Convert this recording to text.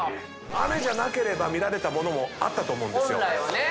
雨じゃなければ見られたものもあったと思うんですよ。